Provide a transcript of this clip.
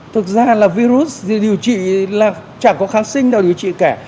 thực ra là virus điều trị là chẳng có kháng sinh nào điều trị kẻ